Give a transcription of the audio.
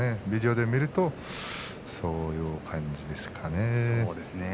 ビデオで見るとそういう感じですかね。